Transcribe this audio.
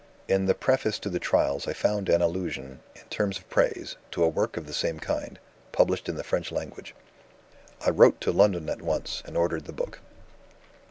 "In the Preface to the Trials I found an allusion, in terms of praise, to a work of the same kind, published in the French language. I wrote to London at once, and ordered the book."